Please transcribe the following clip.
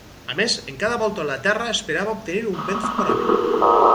A més, en cada volta de la terra esperava tenir un vent favorable.